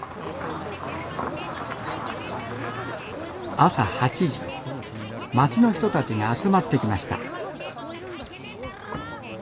朝８時町の人たちが集まってきました